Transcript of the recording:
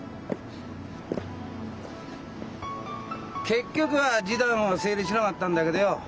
結局示談は成立しなかったんだけどよ